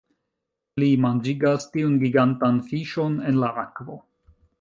Li manĝigas tiun gigantan fiŝon en la akvo